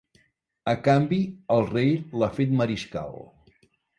A canvi, el rei l'ha fet mariscal.